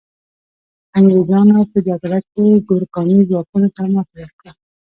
انګریزانو په جګړه کې ګورکاني ځواکونو ته ماتي ورکړه.